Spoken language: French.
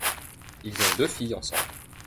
Ils ont deux filles ensemble.